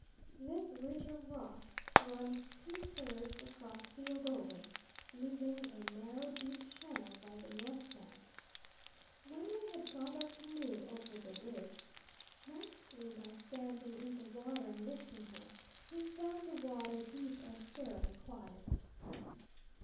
This ridge of rock runs two thirds across the Ogowe, leaving a narrow deep channel by the north bank. When we had got our canoe over the ridge, mostly by standing in the water and lifting her, we found the water deep and fairly quiet.